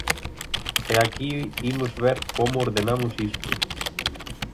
E aquí imos ver como ordenamos isto.